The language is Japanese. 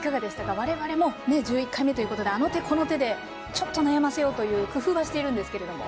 我々も１１回目ということであの手この手でちょっと悩ませようという工夫はしているんですけれども。